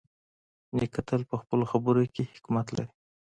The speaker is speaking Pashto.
نیکه تل په خپلو خبرو کې حکمت لري.